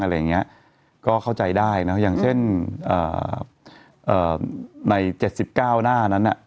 อะไรอย่างเงี้ยก็เข้าใจได้น่ะอย่างเช่นอ่าอ่าในเจ็ดสิบเก้าหน้านั้นอ่ะ